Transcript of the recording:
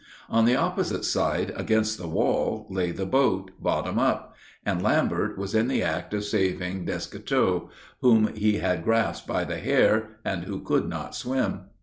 On the opposite side, against the wall, lay the boat, bottom up; and Lambert was in the act of saving Descoteaux, whom he had grasped by the hair, and who could not swim.